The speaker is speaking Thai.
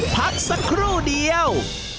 พักสักครู่เดียว